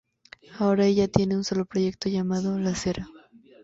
Ahora ella tiene un solo proyecto llamado La Sera.